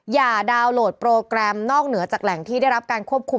อย่าดาวน์โหลดโปรแกรมนอกเหนือจากแหล่งที่ได้รับการควบคุม